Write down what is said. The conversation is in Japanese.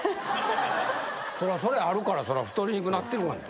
それあるからそら太りにくなってるがな。